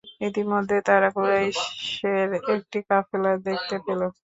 ইতিমধ্যে তারা কুরাইশের একটি কাফেলা দেখতে পেল।